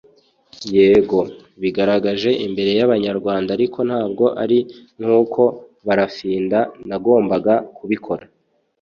yego bigaragaje imbere y’ Abanyarwanda ariko ntabwo ari nk’ uko Barafinda nagombaga kubikora”